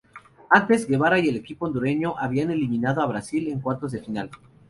Antes, Guevara y el equipo hondureño habían eliminado a Brasil en cuartos de final.